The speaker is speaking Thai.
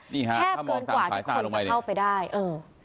นี่ฮะถ้ามองสามสายสาลงไปเลยแค่เกินกว่าทุกคนจะเข้าไปได้เออ